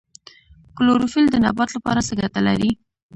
کلوروفیل د نبات لپاره څه ګټه لري